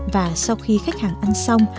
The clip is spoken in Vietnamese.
và sau khi khách hàng ăn xong